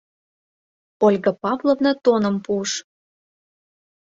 Ольга Павловна тоным пуыш.